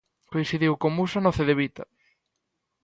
Coincidiu con Musa no Cedevita.